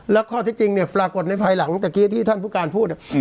แล้วข้อที่จริงเนี่ยปรากฏในภายหลังตะกี้ที่ท่านผู้การพูด